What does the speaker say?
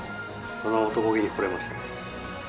その男気に惚れましたね。